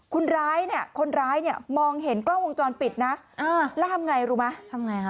คนร้ายเนี่ยมองเห็นกล้องวงจรปิดนะแล้วทำไงรู้ไหม